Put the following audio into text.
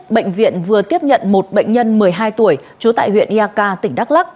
bệnh viện vừa tiếp nhận một bệnh nhân một mươi hai tuổi trú tại huyện yaka tỉnh đắk lắc